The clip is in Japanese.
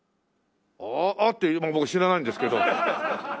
「あっ！」って僕知らないんですけど。